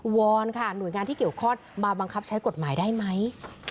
อนค่ะหน่วยงานที่เกี่ยวข้องมาบังคับใช้กฎหมายได้ไหม